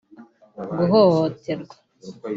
guhohoterwa